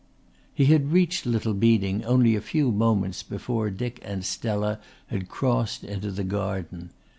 He had reached Little Beeding only a few moments before Dick and Stella had crossed into the garden.